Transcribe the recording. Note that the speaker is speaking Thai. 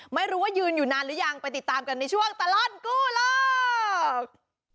ไม่รู้ว่ายืนอยู่นานหรือยังไปติดตามกันในช่วงตลอดกู้โลก